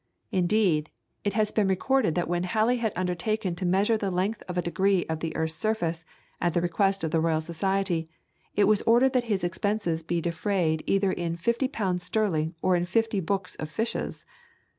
Indeed, it has been recorded that when Halley had undertaken to measure the length of a degree of the earth's surface, at the request of the Royal Society, it was ordered that his expenses be defrayed either in 50 pounds sterling, or in fifty books of fishes.